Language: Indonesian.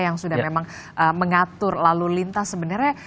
yang sudah memang mengatur lalu lintas sebenarnya